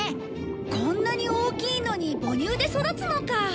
こんなに大きいのに母乳で育つのか。